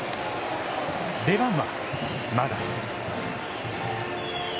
出番は、まだ。